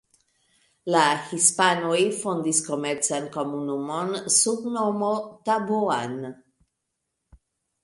La hispanoj fondis komercan komunumon sub nomo Taboan.